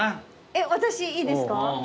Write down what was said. えっ私いいですか？